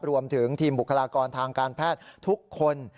รวมถึงทีมบุคลากรทางการแพทย์ทุกคน